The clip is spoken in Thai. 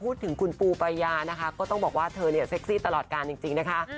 พูดถึงคุณปูปายาก็ต้องบอกว่าเธอเส็คซี่ตลอดกันจริงนะคะ